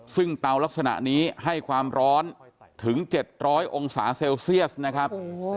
ซึ่งเตาลักษณะนี้ให้ความร้อนถึง๗๐๐องศาเซลเซียสนะครับ